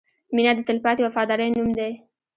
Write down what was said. • مینه د تلپاتې وفادارۍ نوم دی.